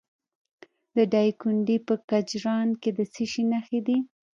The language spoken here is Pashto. د دایکنډي په کجران کې د څه شي نښې دي؟